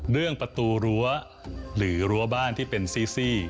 เรื่องประตูรั้วหรือรั้วบ้านที่เป็นซี่